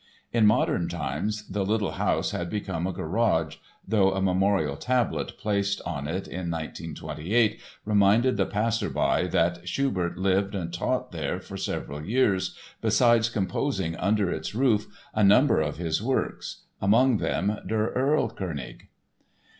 In modern times the little house had become a garage, though a memorial tablet placed on it in 1928 reminded the passerby that Schubert lived and taught there for several years besides composing under its roof a number of his works, among them Der Erlkönig.